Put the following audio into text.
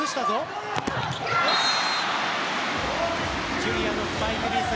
ジュリアのスパイクミス。